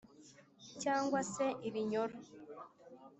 cg se ibinyoro